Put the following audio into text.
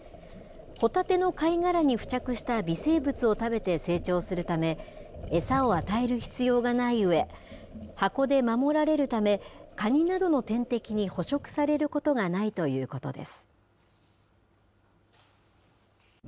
ホタテの貝殻に付着した微生物を食べて成長するため、餌を与える必要がないうえ、箱で守られるため、カニなどの天敵に捕食されることがないということです。